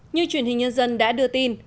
như truyền hình nhân dân đã đưa tin